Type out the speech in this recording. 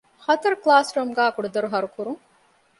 ހަތަރު ކްލާސްރޫމްގައި ކުޑަދޮރު ހަރުކުރުން